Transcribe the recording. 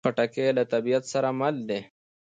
خټکی له طبیعت سره مل دی.